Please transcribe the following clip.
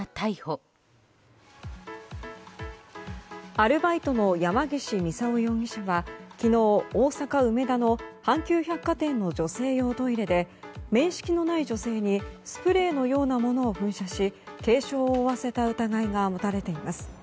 アルバイトの山岸操容疑者は昨日、大阪・梅田の阪急百貨店の女性用トイレで面識のない女性にスプレーのようなものを噴射し軽傷を負わせた疑いが持たれています。